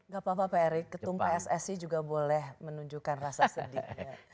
gak apa apa pak erik ketum pssi juga boleh menunjukkan rasa sedih